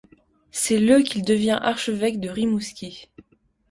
C'est le qu'il devient archevêque de Rimouski.